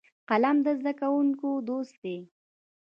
قلم د زده کوونکو دوست دی